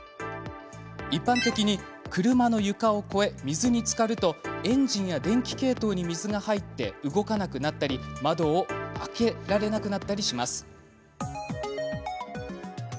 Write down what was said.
一般的に、車の床を超え水につかるとエンジンや電気系統に水が入って動かなくなったり窓も開かなくなったりします。